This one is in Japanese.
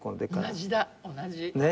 同じだ同じ。